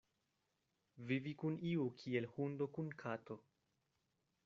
Vivi kun iu kiel hundo kun kato.